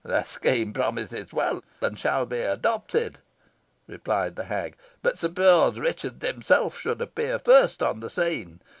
"The scheme promises well, and shall be adopted," replied the hag; "but suppose Richard himself should appear first on the scene.